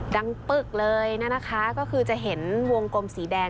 ปึ๊กเลยนะคะก็คือจะเห็นวงกลมสีแดง